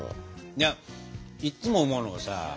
いやいっつも思うのがさ